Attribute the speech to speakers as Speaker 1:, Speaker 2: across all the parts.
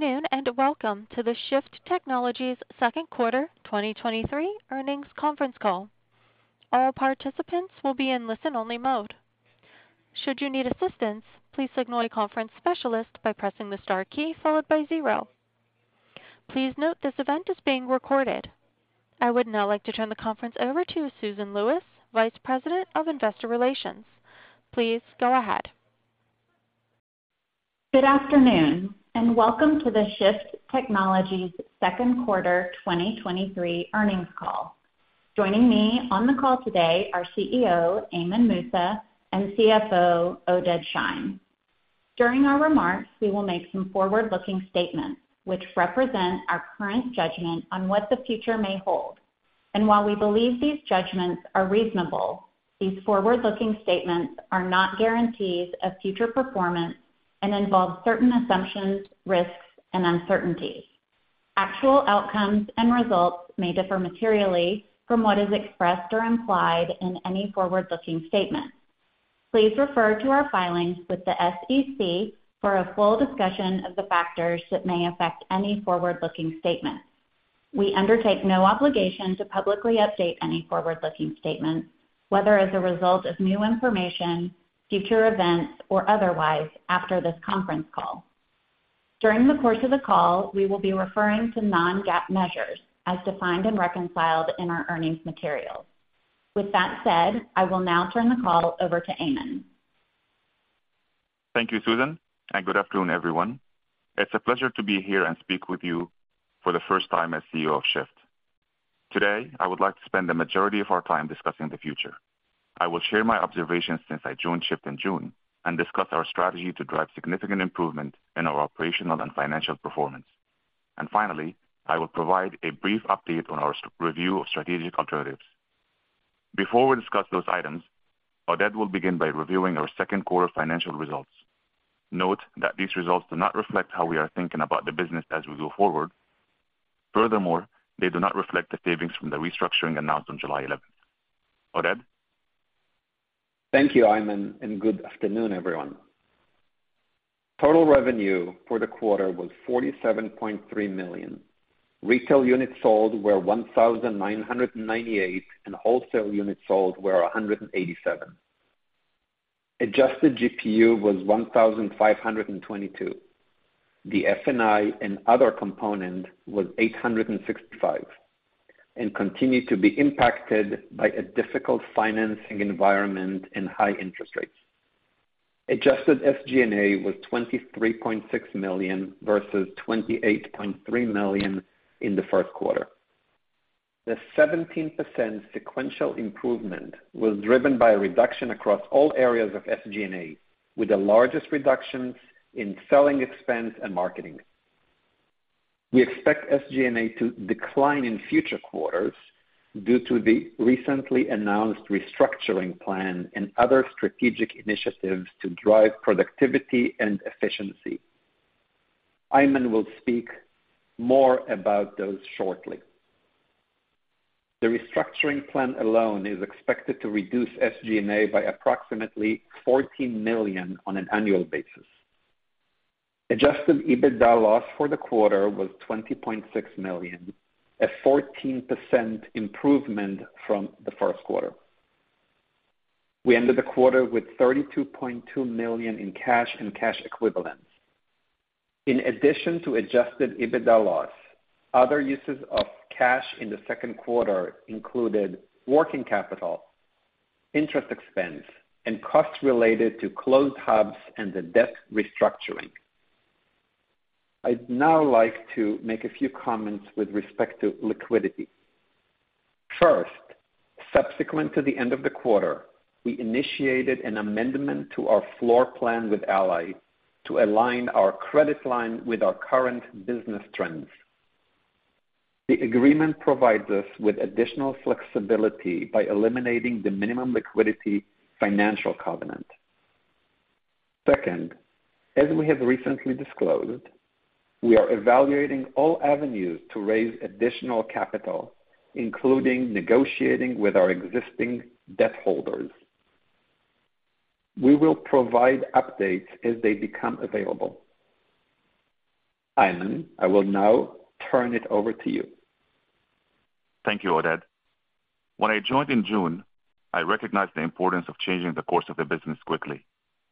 Speaker 1: Good afternoon, and welcome to the Shift Technologies second quarter 2023 earnings conference call. All participants will be in listen-only mode. Should you need assistance, please signal a conference specialist by pressing the star key followed by zero. Please note this event is being recorded. I would now like to turn the conference over to Susan Lewis, Vice President of Investor Relations. Please go ahead.
Speaker 2: Good afternoon, and welcome to the Shift Technologies second quarter 2023 earnings call. Joining me on the call today are CEO, Ayman Moussa, and CFO, Oded Shein. During our remarks, we will make some forward-looking statements which represent our current judgment on what the future may hold. While we believe these judgments are reasonable, these forward-looking statements are not guarantees of future performance and involve certain assumptions, risks, and uncertainties. Actual outcomes and results may differ materially from what is expressed or implied in any forward-looking statement. Please refer to our filings with the SEC for a full discussion of the factors that may affect any forward-looking statement. We undertake no obligation to publicly update any forward-looking statement, whether as a result of new information, future events, or otherwise, after this conference call. During the course of the call, we will be referring to non-GAAP measures as defined and reconciled in our earnings materials. With that said, I will now turn the call over to Ayman.
Speaker 3: Thank you, Susan. Good afternoon, everyone. It's a pleasure to be here and speak with you for the first time as CEO of Shift. Today, I would like to spend the majority of our time discussing the future. I will share my observations since I joined Shift in June and discuss our strategy to drive significant improvement in our operational and financial performance. Finally, I will provide a brief update on our review of strategic alternatives. Before we discuss those items, Oded will begin by reviewing our second quarter financial results. Note that these results do not reflect how we are thinking about the business as we go forward. Furthermore, they do not reflect the savings from the restructuring announced on July eleventh. Oded?
Speaker 4: Thank you, Ayman, and good afternoon, everyone. Total revenue for the quarter was $47.3 million. Retail units sold were 1,998, and wholesale units sold were 187. Adjusted GPU was $1,522. The F&I and other component was $865 and continued to be impacted by a difficult financing environment and high interest rates. Adjusted SG&A was $23.6 million versus $28.3 million in the first quarter. The 17% sequential improvement was driven by a reduction across all areas of SG&A, with the largest reductions in selling expense and marketing. We expect SG&A to decline in future quarters due to the recently announced restructuring plan and other strategic initiatives to drive productivity and efficiency. Ayman will speak more about those shortly. The restructuring plan alone is expected to reduce SG&A by approximately $14 million on an annual basis. Adjusted EBITDA loss for the quarter was $20.6 million, a 14% improvement from the first quarter. We ended the quarter with $32.2 million in cash and cash equivalents. In addition to adjusted EBITDA loss, other uses of cash in the second quarter included working capital, interest expense, and costs related to closed hubs and the debt restructuring. I'd now like to make a few comments with respect to liquidity. First, subsequent to the end of the quarter, we initiated an amendment to our floorplan with Ally to align our credit line with our current business trends. The agreement provides us with additional flexibility by eliminating the minimum liquidity financial covenant. Second, as we have recently disclosed, we are evaluating all avenues to raise additional capital, including negotiating with our existing debt holders. We will provide updates as they become available. Ayman, I will now turn it over to you.
Speaker 3: Thank you, Oded. When I joined in June, I recognized the importance of changing the course of the business quickly,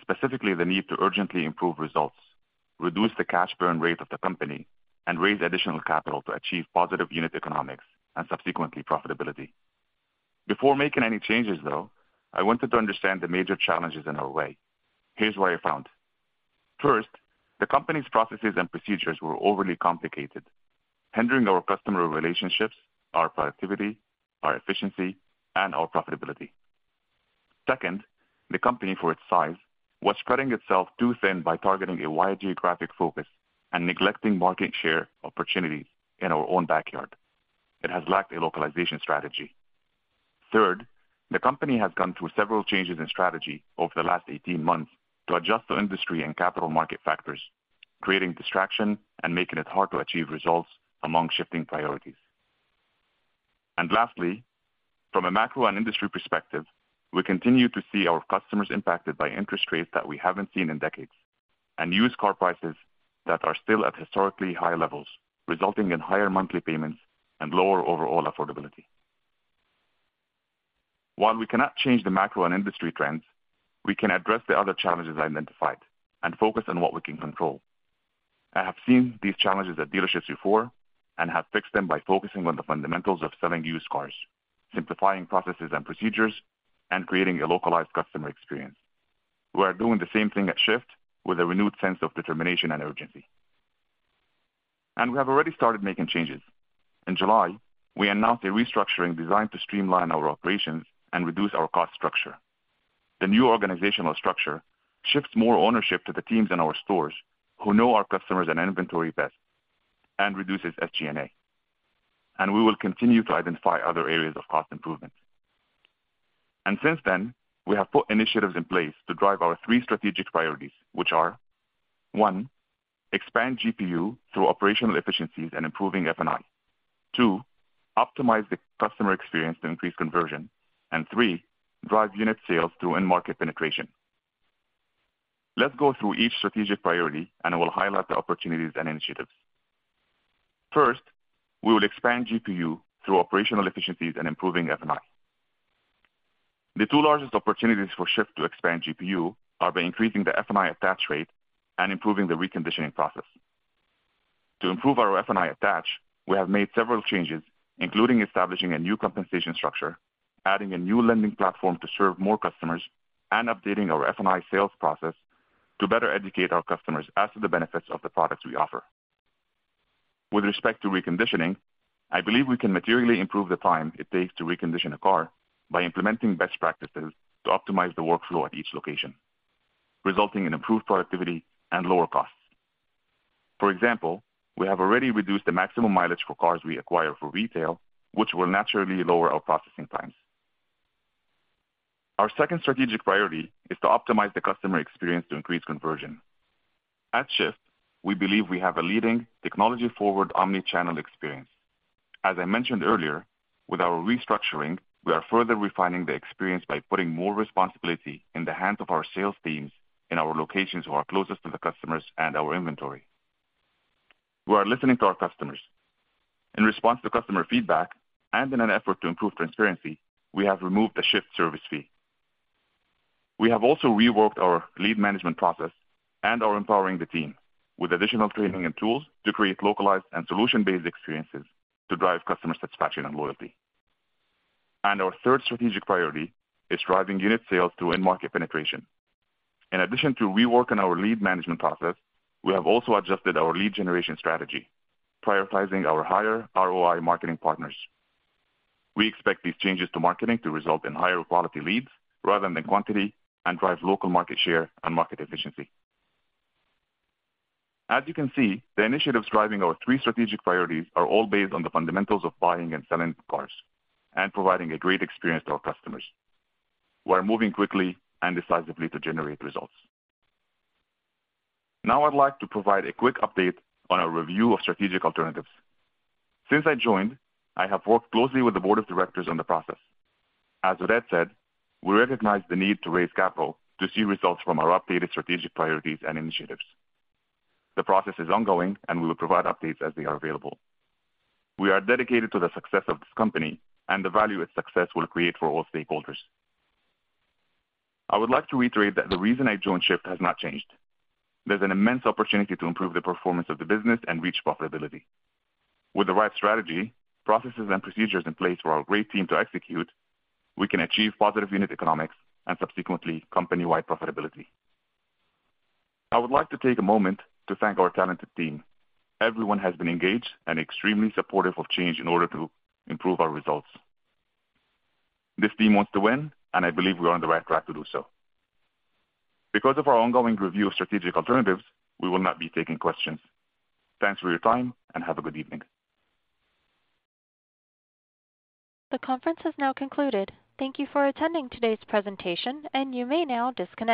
Speaker 3: specifically the need to urgently improve results, reduce the cash burn rate of the company, and raise additional capital to achieve positive unit economics and subsequently profitability. Before making any changes, though, I wanted to understand the major challenges in our way. Here's what I found. First, the company's processes and procedures were overly complicated, hindering our customer relationships, our productivity, our efficiency, and our profitability. Second, the company, for its size, was spreading itself too thin by targeting a wide geographic focus and neglecting market share opportunities in our own backyard. It has lacked a localization strategy. Third, the company has gone through several changes in strategy over the last 18 months to adjust to industry and capital market factors, creating distraction and making it hard to achieve results among shifting priorities. Lastly, from a macro and industry perspective, we continue to see our customers impacted by interest rates that we haven't seen in decades, and used car prices that are still at historically high levels, resulting in higher monthly payments and lower overall affordability. While we cannot change the macro and industry trends, we can address the other challenges identified and focus on what we can control. I have seen these challenges at dealerships before and have fixed them by focusing on the fundamentals of selling used cars, simplifying processes and procedures, and creating a localized customer experience. We are doing the same thing at Shift with a renewed sense of determination and urgency. We have already started making changes. In July, we announced a restructuring designed to streamline our operations and reduce our cost structure. The new organizational structure shifts more ownership to the teams in our stores who know our customers and inventory best and reduces SG&A. We will continue to identify other areas of cost improvement. Since then, we have put initiatives in place to drive our three strategic priorities, which are: one, expand GPU through operational efficiencies and improving F&I; two, optimize the customer experience to increase conversion; and three, drive unit sales through end market penetration. Let's go through each strategic priority, and I will highlight the opportunities and initiatives. First, we will expand GPU through operational efficiencies and improving F&I. The two largest opportunities for Shift to expand GPU are by increasing the F&I attach rate and improving the reconditioning process. To improve our F&I attach, we have made several changes, including establishing a new compensation structure, adding a new lending platform to serve more customers, and updating our F&I sales process to better educate our customers as to the benefits of the products we offer. With respect to reconditioning, I believe we can materially improve the time it takes to recondition a car by implementing best practices to optimize the workflow at each location, resulting in improved productivity and lower costs. For example, we have already reduced the maximum mileage for cars we acquire for retail, which will naturally lower our processing times. Our second strategic priority is to optimize the customer experience to increase conversion. At Shift, we believe we have a leading technology-forward omnichannel experience. As I mentioned earlier, with our restructuring, we are further refining the experience by putting more responsibility in the hands of our sales teams in our locations who are closest to the customers and our inventory. We are listening to our customers. In response to customer feedback and in an effort to improve transparency, we have removed the Shift service fee. We have also reworked our lead management process and are empowering the team with additional training and tools to create localized and solution-based experiences to drive customer satisfaction and loyalty. Our third strategic priority is driving unit sales through end market penetration. In addition to rework in our lead management process, we have also adjusted our lead generation strategy, prioritizing our higher ROI marketing partners. We expect these changes to marketing to result in higher quality leads rather than the quantity, and drive local market share and market efficiency. As you can see, the initiatives driving our three strategic priorities are all based on the fundamentals of buying and selling cars and providing a great experience to our customers. We are moving quickly and decisively to generate results. I'd like to provide a quick update on our review of strategic alternatives. Since I joined, I have worked closely with the board of directors on the process. As Oded said, we recognize the need to raise capital to see results from our updated strategic priorities and initiatives. The process is ongoing, and we will provide updates as they are available. We are dedicated to the success of this company and the value its success will create for all stakeholders. I would like to reiterate that the reason I joined Shift has not changed. There's an immense opportunity to improve the performance of the business and reach profitability. With the right strategy, processes, and procedures in place for our great team to execute, we can achieve positive unit economics and subsequently, company-wide profitability. I would like to take a moment to thank our talented team. Everyone has been engaged and extremely supportive of change in order to improve our results. This team wants to win, and I believe we are on the right track to do so. Because of our ongoing review of strategic alternatives, we will not be taking questions. Thanks for your time, and have a good evening.
Speaker 1: The conference has now concluded. Thank you for attending today's presentation, and you may now disconnect.